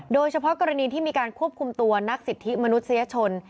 โดยเฉพาะกรณีที่มีการควบคุมตัวนักสิทธิมนุษยชน